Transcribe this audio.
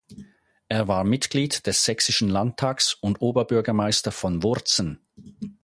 Er war Mitglied des Sächsischen Landtags und Oberbürgermeister von Wurzen.